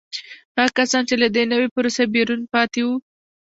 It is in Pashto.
هغه کسان چې له دې نوې پروسې بیرون پاتې وو